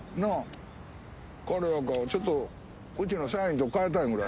これはちょっとうちの社員と代えたいぐらい。